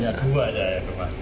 nggak nggak kenal sama sekali